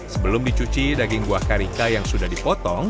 sebelum dicuci daging buah karika yang sudah dipotong